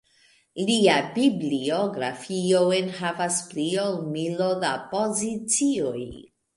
Lia bibliografio enhavas pli ol milo da pozicioj.